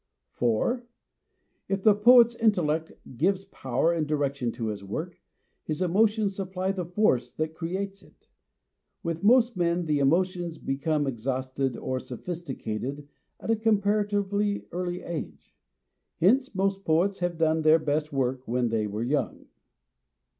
4. If the poet's intellect gives power and direction to his work, his emotions supply the force that creates it. With most men the emotions become exhausted or sophisticated at a comparatively early age. Hence most poets have done their best work when they were young.